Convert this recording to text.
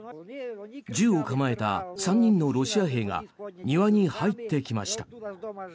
銃を構えた３人のロシア兵が庭に入ってきました。